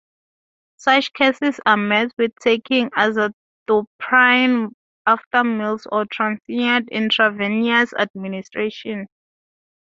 Such cases are met with taking azathioprine after meals or transient intravenous administration.